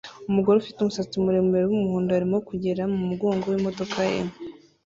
Umugore ufite umusatsi muremure wumuhondo arimo kugera mumugongo wimodoka ye